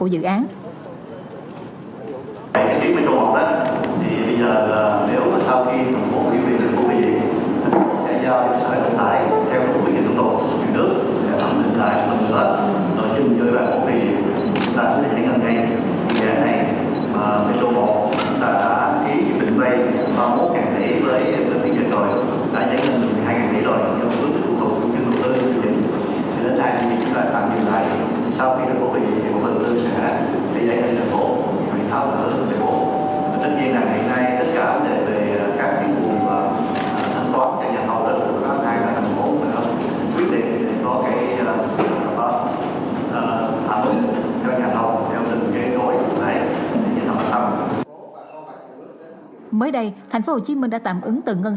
được sát thông tin